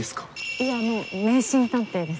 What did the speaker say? いやあの迷信探偵です。